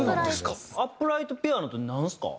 アップライトピアノってなんですか？